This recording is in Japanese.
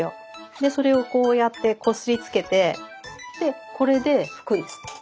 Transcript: でそれをこうやってこすりつけてでこれで拭くんです。